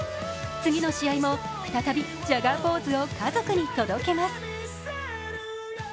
次の試合も再びジャガーポーズを家族に届けます。